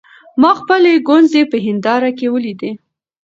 ما خپلې ګونځې په هېنداره کې وليدې.